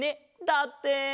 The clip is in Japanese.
だって。